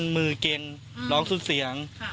มือเก่งร้องสุดเสียง